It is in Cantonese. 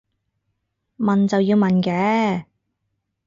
問就要問嘅